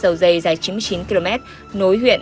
dầu dây dài chín mươi chín km nối huyện